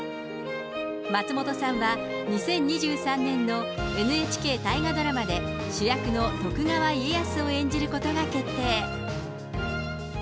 松本さんは、２０２３年のＮＨＫ大河ドラマで主役の徳川家康を演じることが決定。